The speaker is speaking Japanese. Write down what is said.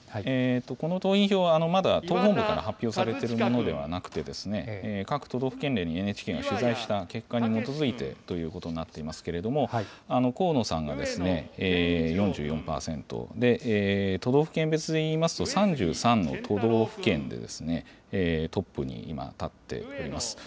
この党員票は、まだ、党本部から発表されているものではなくて、各都道府県連にＮＨＫが取材した結果に基づいてということになっていますけれども、河野さんが４４％で、都道府県別でいいますと、３３の都道府県で、トップに今、立っております。